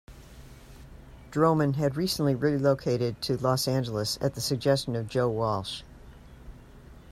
Droman had recently relocated to Los Angeles at the suggestion of Joe Walsh.